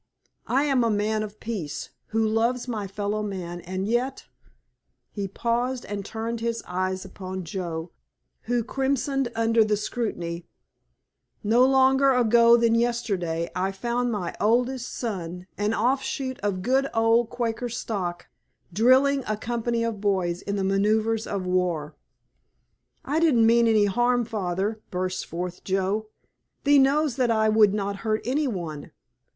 I am a man of peace, who loves my fellow man, and yet"—he paused and turned his eyes upon Joe, who crimsoned under the scrutiny,—"no longer ago than yesterday I found my oldest son, an offshoot of good old Quaker stock, drilling a company of boys in the manoeuvres of war." "I didn't mean any harm, Father," burst forth Joe, "thee knows that I would not hurt any one!